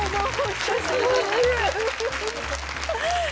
久しぶり！